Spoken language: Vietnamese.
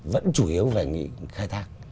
vẫn chủ yếu phải nghĩ khai thác